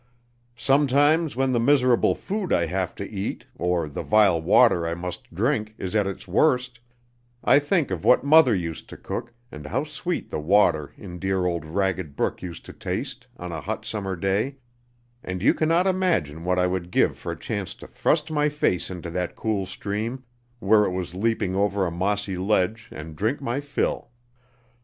Sometimes when the miserable food I have to eat, or the vile water I must drink, is at its worst, I think of what mother used to cook, and how sweet the water in dear old Ragged Brook used to taste on a hot summer day, and you cannot imagine what I would give for a chance to thrust my face into that cool stream, where it was leaping over a mossy ledge, and drink my fill.